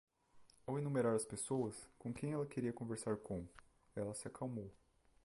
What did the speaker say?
Ao enumerar as pessoas com quem ela queria conversar com?, ela se acalmou.